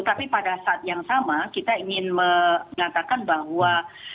tapi pada saat yang sama kita ingin mengatakan bahwa